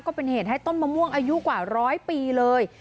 ก็เป็นเหตุให้ต้นมะม่วงอายุกว่าร้อยปีเลย